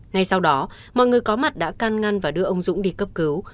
ngay sau đó mọi người có mặt đã can ngăn và đưa ông dũng đi cấp cứu